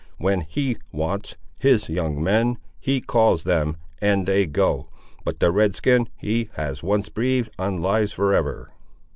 When He wants His young men He calls them, and they go. But the Red skin He has once breathed on lives for ever."